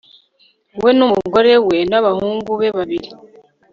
we n'umugore we, n'abahungu be babiri